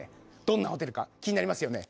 どんなホテルか気になりますよね？